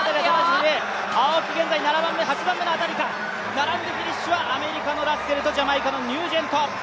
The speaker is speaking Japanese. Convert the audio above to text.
並んでフィニッシュはアメリカのラッセルとジャマイカのニュージェント。